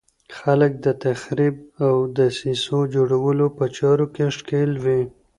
خلک د تخریب او دسیسو جوړولو په چارو کې ښکېل وي.